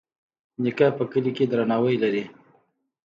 نیکه په کلي کې درناوی لري.